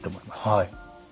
はい。